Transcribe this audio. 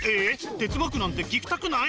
哲学なんて聞きたくない？